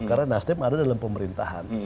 karena nasdem ada dalam pemerintahan